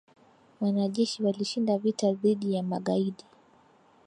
Wanajeshi walishinda vita dhidi ya magaidi